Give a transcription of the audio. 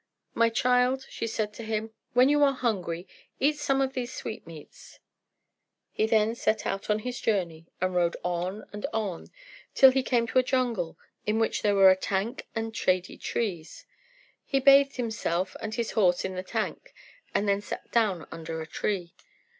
"My child," she said to him, "When you are hungry eat some of these sweetmeats." He then set out on his journey, and rode on and on till he came to a jungle in which were a tank and shady trees. He bathed himself and his horse in the tank, and then sat down under a tree.